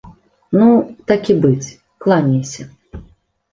Ну, так і быць, кланяйся.